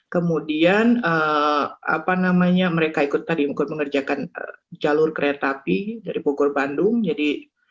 kemudian apa namanya mereka ikut tadi ikut mengerjakan jalur kereta api dari bogor bandung jadi